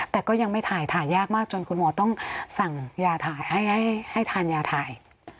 แต่ก็ยังไม่ถ่ายถ่ายยากมากจนคุณหมอต้องสั่งยาถ่ายให้ทานยาถ่าย